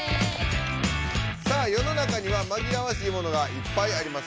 さあよの中にはまぎらわしいものがいっぱいあります。